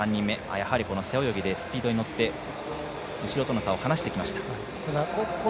背泳ぎでスピードに乗って後ろとの差を離してきました。